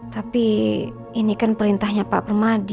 tapi ini kan perintahnya pak permadi